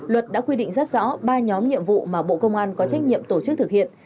luật đã quy định rất rõ ba nhóm nhiệm vụ mà bộ công an có trách nhiệm tổ chức thực hiện